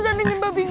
yang mungkin sedang